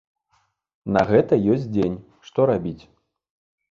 На гэта ёсць дзень, што рабіць?